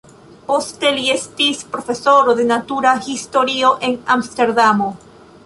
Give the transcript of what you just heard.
Poste li estis profesoro de natura historio en Amsterdamo.